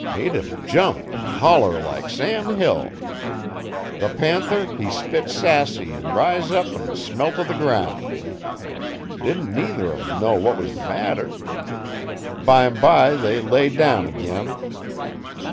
Made him jump 'n holler like Sam Hill. The panther he spit sassy 'n riz up 'n smelt o' the ground. Didn't neither on 'em know what was the matter. Bime bye they lay down ag'in.